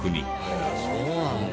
そうなんだ。